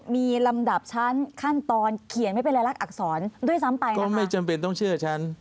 มีลำดับชั้นขั้นตอนเขียนไม่เป็นรายลักษณอักษรด้วยซ้ำไปก็ไม่จำเป็นต้องเชื่อฉัน